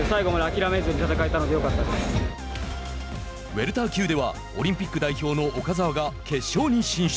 ウエルター級ではオリンピック代表の岡澤が決勝に進出。